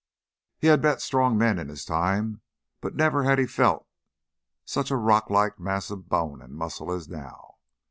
He had met strong men in his time, but never had he felt such a rocklike mass of bone and muscle as now.